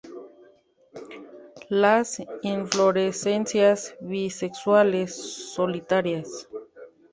Las inflorescencias bisexuales, solitarias.